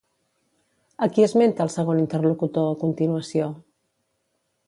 A qui esmenta el segon interlocutor, a continuació?